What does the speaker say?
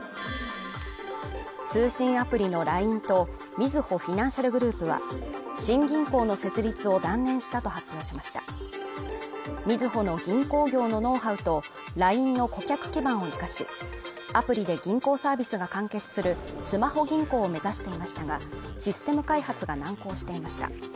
通信アプリのＬＩＮＥとみずほフィナンシャルグループは、新銀行の設立を断念したと発表しましたみずほの銀行業のノウハウと、ＬＩＮＥの顧客基盤を生かし、アプリで銀行サービスが完結するスマホ銀行を目指していましたが、システム開発が難航していました